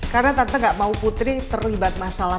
karena tante gak mau putri terlibat masalah